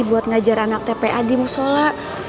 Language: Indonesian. buat ngajar anak tpa di musola